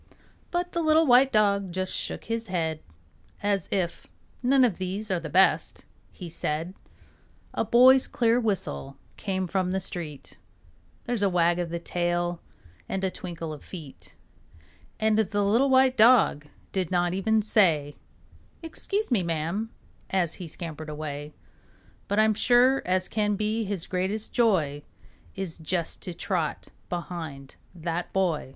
But the little white dog just shook his head As if "None of these are best," he said. A boy's clear whistle came from the street; There's a wag of the tail and a twinkle of feet, And the little white dog did not even say, "Excuse me, ma'am," as he scampered away; But I'm sure as can be his greatest joy Is just to trot behind that boy.